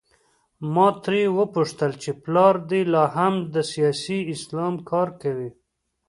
ما ترې وپوښتل چې پلار دې لا هم د سیاسي اسلام کار کوي؟